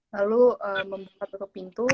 lalu membuka tutup pintu